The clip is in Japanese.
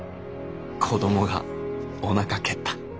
子どもがお腹蹴った。